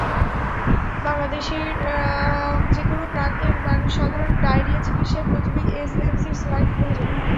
বাংলাদেশের যেকোনো প্রান্তের মানুষ সাধারণ ডায়রিয়া চিকিৎসায় প্রথমেই এসএমসির স্যালাইন খোঁজে।